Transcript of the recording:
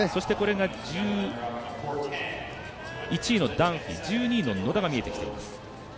そして、１１位のダンフィー１２位の野田が見えてきています。